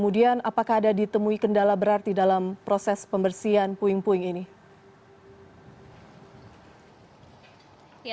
dan apakah ada ditemui kendala berarti dalam proses pembersihan puing puing ini